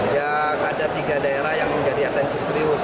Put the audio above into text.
ya ada tiga daerah yang menjadi atensi serius